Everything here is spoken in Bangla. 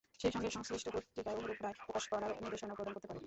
সেই সঙ্গে সংশ্লিষ্ট পত্রিকায় অনুরূপ রায় প্রকাশ করার নির্দেশনাও প্রদান করতে পারে।